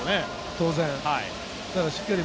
当然。